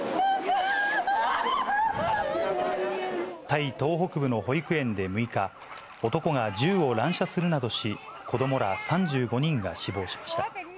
タイ東北部の保育園で６日、男が銃を乱射するなどし、子どもら３５人が死亡しました。